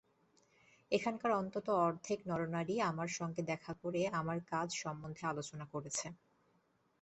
এখানকার অন্তত অর্ধেক নরনারী আমার সঙ্গে দেখা করে আমার কাজ সম্বন্ধে আলোচনা করেছে।